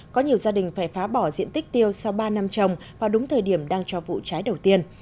có nhiều gia đình phải phá bỏ diện tích tiêu sau ba năm trồng vào đúng thời điểm đang cho vụ trái đầu tiên